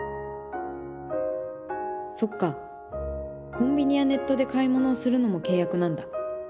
コンビニやネットで買い物をするのも契約なんだ。